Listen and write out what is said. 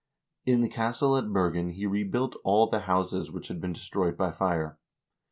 1 In the castle at Bergen he rebuilt all the houses which had been destroyed by fire.